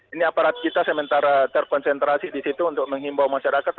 ini aparat kita sementara terkonsentrasi di situ untuk menghimbau masyarakat